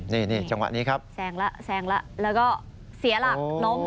นี่จังหวะนี้ครับแซงแล้วแซงแล้วแล้วก็เสียหลักล้ม